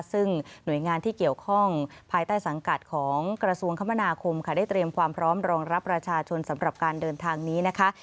ซึ่งหน่วยงานที่เกี่ยวข้องภายใต้สังกัดของกระทรวงคมนาคมค่ะได้เตรียมความพร้อมรองรับประชาชนสำหรับการเดินทางนี้นะคะ